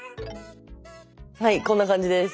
はいこんな感じです。